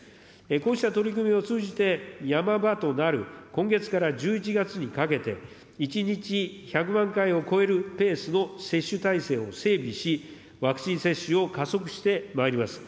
こうした取り組みを通じて、ヤマ場となる今月から１１月にかけて、１日１００万回を超えるペースの接種体制を整備し、ワクチン接種を加速化してまいります。